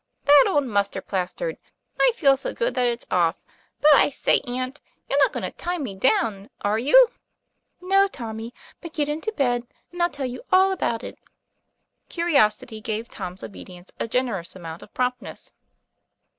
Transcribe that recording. That old mustard plaster. I feel so good that it's off. But I say, aunt, you're not going to tie me down, are you ?" 'No, Tommy; but get into bed, and I'll tell you all about it." Curiosity gave Tom's obedience a generous amount of promptness.